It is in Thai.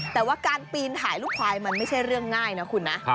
แต่ว่าการปีนถ่ายลูกควายมันไม่ใช่เรื่องง่ายนะคุณนะ